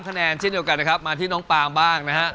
คะแนนเช่นเดียวกันนะครับมาที่น้องปามบ้างนะฮะ